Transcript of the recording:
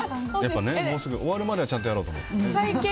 終わるまではちゃんとやろうと思って。